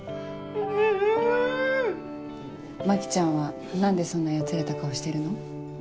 牧ちゃんは何でそんなやつれた顔してるの？